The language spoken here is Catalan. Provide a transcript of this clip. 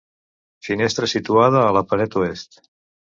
Finestra situada a la paret oest.